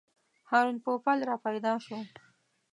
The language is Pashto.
هارون پوپل راپیدا شو.